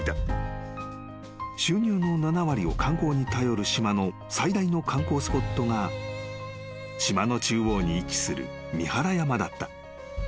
［収入の７割を観光に頼る島の最大の観光スポットが島の中央に位置する］